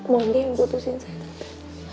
mondi yang putusin saya tante